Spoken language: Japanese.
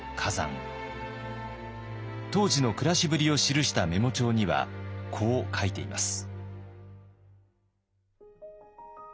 当時の暮らしぶりを記したメモ帳にはこう書いています。